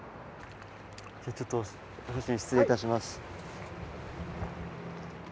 じゃあちょっとお写真失礼いたします。